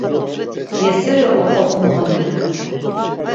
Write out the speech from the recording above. Yesiri oqopumoni re.